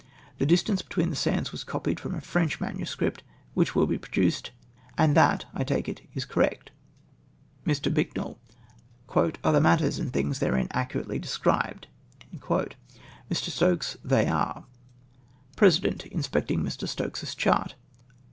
The distance between the sands Avas copied from a French MS. which will be produced, and that / take it is correct. Me. Bicknell. —" Are the matters and things therein accu rately described?'" jNIe. Stokes. —" 'I'liey are." Peesident {inspecting Mr. Stokes's chart).